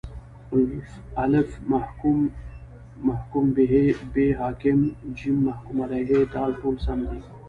الف: محکوم به ب: حاکم ج: محکوم علیه د: ټوله سم دي